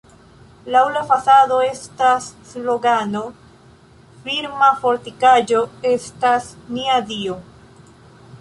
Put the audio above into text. Laŭ la fasado estas slogano: "Firma fortikaĵo estas nia Dio".